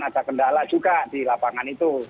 ada kendala juga di lapangan itu